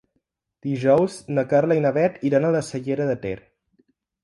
Dijous na Carla i na Bet iran a la Cellera de Ter.